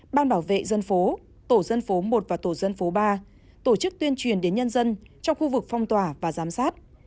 ban bảo vệ dân phố tổ dân phố một và tổ dân phố ba tổ chức tuyên truyền đến nhân dân trong khu vực phong tỏa và giám sát